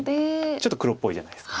ちょっと黒っぽいじゃないですか。